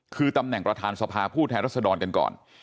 คือตำแหน่งประธานสภาผู้แทนรัศดรกันก่อน